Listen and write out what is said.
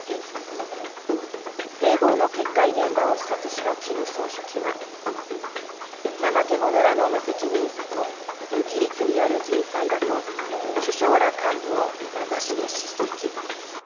堤防の決壊現場を視察した金総書記は怠け者らの無責任さと無規律による人災だと首相ら幹部を名指しでしっ責。